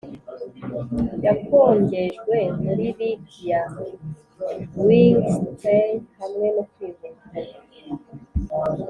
yakongejwe muri reek ya wying sty hamwe no kwihuta